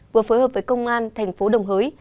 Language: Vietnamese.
vừa phối hợp với công an tp đồng hới